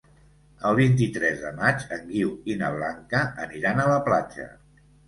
El vint-i-tres de maig en Guiu i na Blanca aniran a la platja.